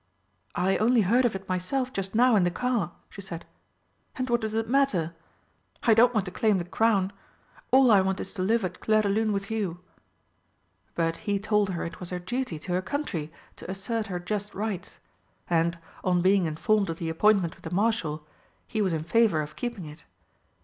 "I only heard of it myself just now in the car," she said. "And what does it matter? I don't want to claim the crown all I want is to live at Clairdelune with you." But he told her it was her duty to her Country to assert her just rights, and, on being informed of the appointment with the Marshal, he was in favour of keeping it.